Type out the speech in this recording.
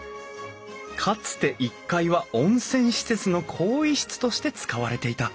かつて１階は温泉施設の更衣室として使われていた。